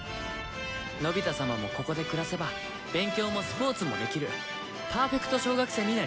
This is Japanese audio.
のび太様もここで暮らせば勉強もスポーツもできるパーフェクト小学生になります。